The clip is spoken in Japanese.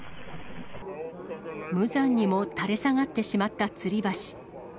無残にも垂れ下がってしまったつり橋。